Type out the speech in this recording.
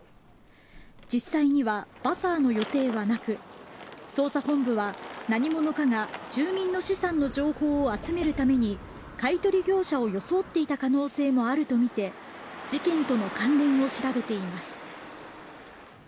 実際にはバザーの予定はなく捜査本部は何者かが住民の資産の情報を集めるために買い取り業者を装っていた可能性もあるとみて事件との関連を調べています。